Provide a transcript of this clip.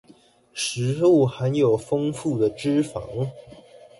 食物含有豐富的脂肪